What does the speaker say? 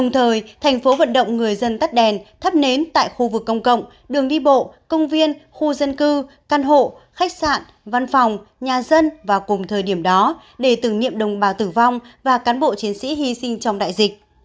tổng người dân tắt đèn thắp nến tại khu vực công cộng đường đi bộ công viên khu dân cư căn hộ khách sạn văn phòng nhà dân và cùng thời điểm đó để tử nghiệm đồng bào tử vong và cán bộ chiến sĩ hy sinh trong đại dịch